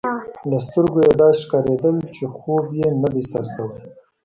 له سترګو يې داسي ښکارېدل، چي خوب یې نه دی سر شوی.